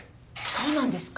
そうなんですか？